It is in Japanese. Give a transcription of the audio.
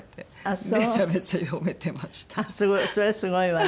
それはすごいわね。